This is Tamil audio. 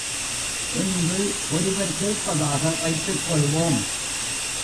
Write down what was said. என்று ஒருவர் கேட்பதாக வைத்துக் கொள்வோம்.